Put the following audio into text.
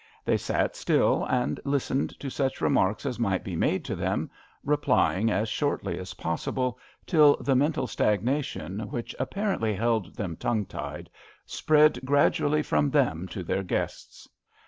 They sat still and listened to such remarks as might be made to them, replying as shortly as possible, till the mental stagnation, which ap parently held them tongue tied, spread gradually from them to their guests.